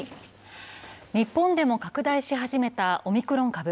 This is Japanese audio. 日本でも拡大し始めたオミクロン株。